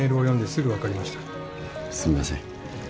すみません。